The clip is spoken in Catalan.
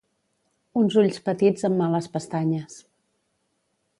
Uns ulls petits amb males pestanyes.